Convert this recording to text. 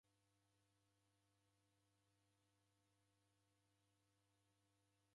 Aw'a w'andu deredambanyagha